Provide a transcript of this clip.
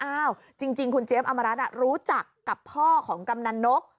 จริงคุณเจี๊ยบอมรัฐรู้จักกับพ่อของกำนันนก